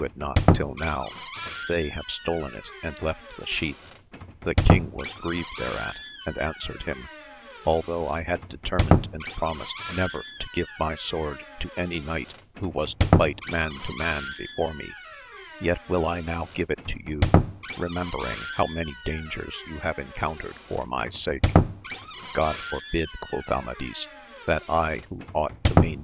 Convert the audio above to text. it not till now ; they have stolen it and left the sheatL He king was grieved thereat and answered him, AUhoiigh I had determined and promised never to ffg^ my sword to any knight who was to fight man to m before me, yet will I now give it you, remem flnig how many dangers you have encountered for Tnkei Gkni forbid, quoth Amadis, that I who ought ■Miw».